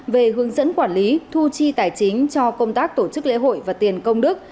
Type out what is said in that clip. về hướng dẫn quản lý thu chi tài chính cho công tác tổ chức lễ hội và tiền công đức